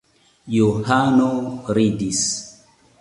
Johano ridis.